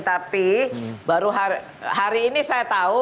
tapi baru hari ini saya tahu